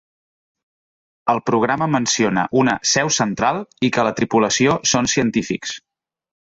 El programa menciona una "seu central" i que la tripulació són científics.